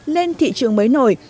lên thị trường mới nổi